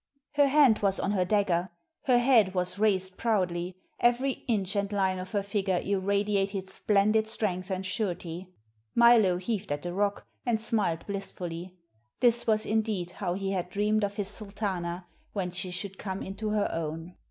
Her hand was on her dagger, her head was raised proudly; every inch and line of her figure irradiated splendid strength and surety; Milo heaved at the rock, and smiled blissfully. This was indeed how he had dreamed of his Sultana when she should come into her own.